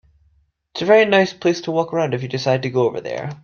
It's a nice place to walk around if you decide to go over there.